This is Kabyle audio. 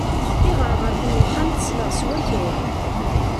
Tiɣerɣert n uxxam tesleɣ s wakal.